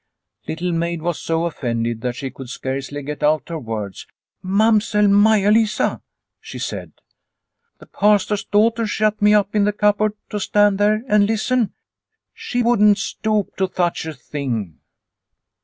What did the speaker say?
Little Maid was so offended that she could scarcely get out her words. " Mamsell Maia Lisa !" she said. " The Pastor's daughter shut me up in a cupboard to stand there and listen ? She wouldn't stoop to such a thing."